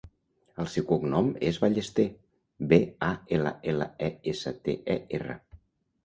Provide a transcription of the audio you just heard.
El seu cognom és Ballester: be, a, ela, ela, e, essa, te, e, erra.